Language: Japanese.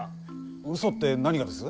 うそって何がです？